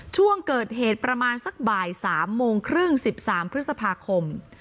ช่วงเกิดเหตุประมาณสักบ่าย๓โมงครึ่ง๑๓พฤษภาคม